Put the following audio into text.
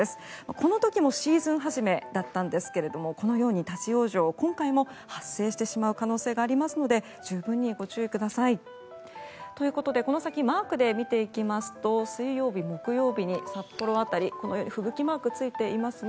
この時もシーズン初めだったんですがこのように立ち往生を今回も発生してしまう可能性がありますので十分にご注意ください。ということでこの先マークで見ていきますと水曜日、木曜日に札幌辺り雪マークがついていますね。